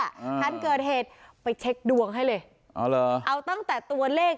คันเกิดเหตุไปเช็คดวงให้เลยอ๋อเหรอเอาตั้งแต่ตัวเลข